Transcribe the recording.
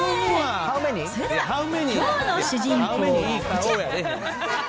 それではきょうの主人公はこちら。